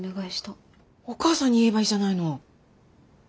お母さんに言えばいいじゃないの。